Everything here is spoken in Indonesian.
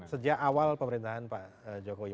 sejak awal pemerintahan pak jokowi